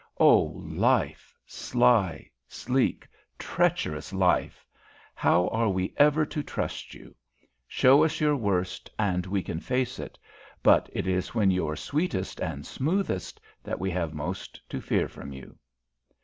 Oh, life, sly, sleek, treacherous life, how are we ever to trust you? Show us your worst and we can face it, but it is when you are sweetest and smoothest that we have most to fear from you.